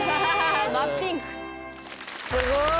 すごい。